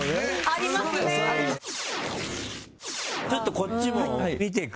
ちょっとこっちも見ていく？